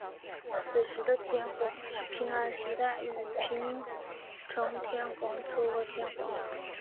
此时的天皇是平安时代之平城天皇与嵯峨天皇。